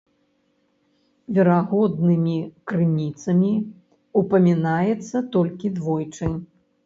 Верагоднымі крыніцамі ўпамінаецца толькі двойчы.